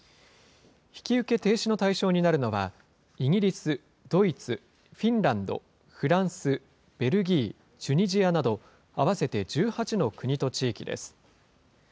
引き受け停止の対象になるのは、イギリス、ドイツ、フィンランド、フランス、ベルギー、チュニジアなど、合わせて１８の国と地域です。